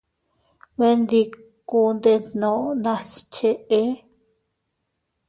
Beendikuu ddeetdoo nas chee.